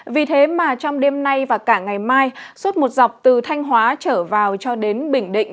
vì thế mà trong đêm nay và cả ngày mai suốt một dọc từ thanh hóa trở vào cho đến bình định